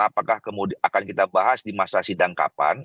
apakah kemudian akan kita bahas di masa sidang kapan